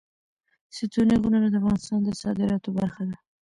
ستوني غرونه د افغانستان د صادراتو برخه ده.